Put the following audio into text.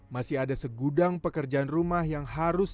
masih ada segudang pekerjaan rumah yang harus